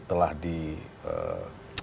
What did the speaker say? itu kemudian diterima